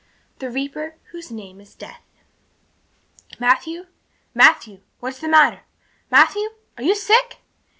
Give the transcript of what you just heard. The Reaper Whose Name Is Death MATTHEW Matthew what is the matter? Matthew, are you sick?"